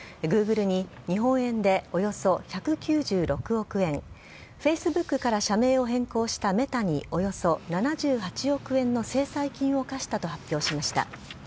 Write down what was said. Ｇｏｏｇｌｅに日本円でおよそ１９６億円Ｆａｃｅｂｏｏｋから社名を変更したＭｅｔａにおよそ７８億円の制裁金を科したと発表しました。